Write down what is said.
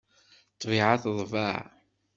Ṭṭbiɛa teḍbeɛ.